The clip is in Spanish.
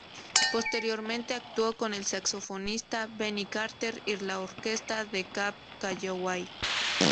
Posteriormente actuó con el saxofonista Benny Carter y la orquesta de Cab Calloway.